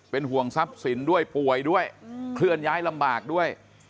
ห่วงทรัพย์สินด้วยป่วยด้วยเคลื่อนย้ายลำบากด้วย